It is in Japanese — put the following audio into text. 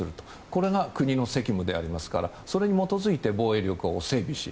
これが国の責務でありますからそれに基づいて防衛力を整備し